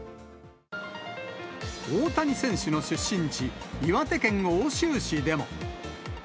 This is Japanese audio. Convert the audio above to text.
大谷選手の出身地、岩手県奥州市でも。